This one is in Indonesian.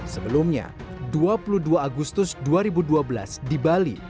sebelumnya dua puluh dua agustus dua ribu dua belas di bali